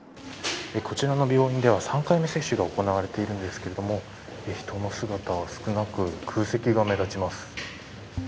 こちらの病院では３回目接種が行われているんですけれどもひとの姿は少なく、空席が目立ちます。